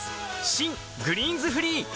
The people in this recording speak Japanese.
新「グリーンズフリー」